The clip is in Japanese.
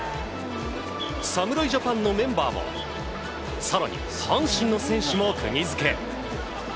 侍ジャパンのメンバーも更に、阪神の選手もくぎ付け。